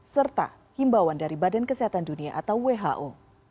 serta himbauan dari badan kesehatan dunia atau who